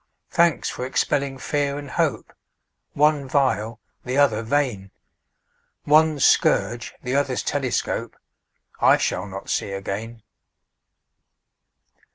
Thanks for expelling Fear and Hope, One vile, the other vain; One's scourge, the other's telescope, I shall not see again.